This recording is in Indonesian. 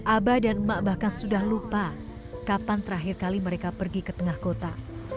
abah dan emak bahkan sudah lupa kapan terakhir kali mereka pergi ke tengah kota